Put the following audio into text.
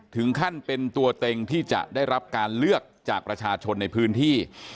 ถึงขั้นเป็นตัวเต็งที่จะได้รับการเลือกจากประชาชนในพื้นที่